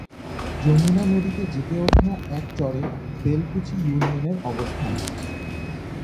যমুনা নদীতে জেগে ওঠা এক চরে বেলকুচি ইউনিয়নের অবস্থান।